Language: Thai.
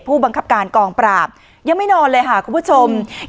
ผู้บังคับการกองปราบยังไม่นอนเลยค่ะคุณผู้ชม